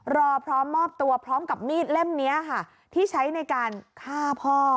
รอพร้อมมอบตัวพร้อมกับมีดเล่มนี้ค่ะที่ใช้ในการฆ่าพ่อ